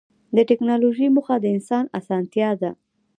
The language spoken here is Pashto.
د ټکنالوجۍ موخه د انسان اسانتیا ده.